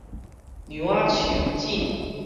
娘仔樹子